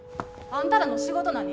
あんたらの仕事何？